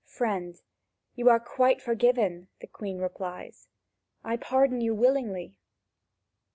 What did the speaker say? "Friend, you are quite forgiven," the Queen replies; "I pardon you willingly."